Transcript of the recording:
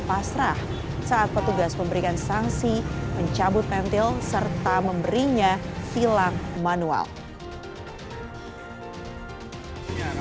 pasrah saat petugas memberikan sangsi mencabut mentil serta memberinya silang manual hai hai